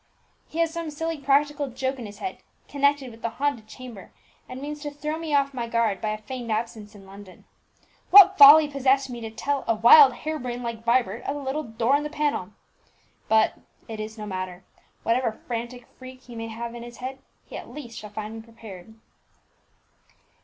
He has some silly practical joke in his head connected with the haunted chamber, and means to throw me off my guard by a feigned absence in London. What folly possessed me to tell a wild hare brain like Vibert of the little door in the panel? But it is no matter; whatever frantic freak he may have in his head, he at least shall find me prepared."